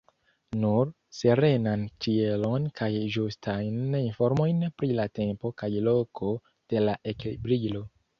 Nur serenan ĉielon kaj ĝustajn informojn pri la tempo kaj loko de la ekbrilo.